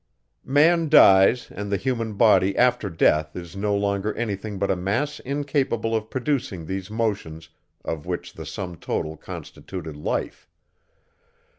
Man dies, and the human body after death is no longer anything but a mass incapable of producing those motions, of which the sum total constituted life.